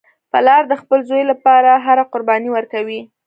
پلار د خپل زوی لپاره هره قرباني ورکوي